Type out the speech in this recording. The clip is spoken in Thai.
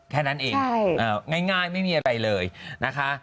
แค่นั้นเองง่ายไม่มีอะไรเลยนะคะ